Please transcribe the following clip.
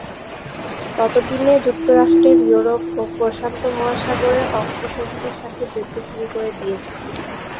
ততদিনে যুক্তরাষ্ট্র ইউরোপ ও প্রশান্ত মহাসাগরে অক্ষ শক্তির সাথে যুদ্ধ শুরু করে দিয়েছে।